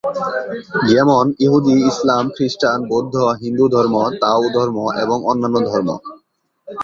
যেমন: ইহুদী, ইসলাম, খ্রিস্টান, বৌদ্ধ, হিন্দু ধর্ম, তাও ধর্ম এবং অন্যান্য ধর্ম।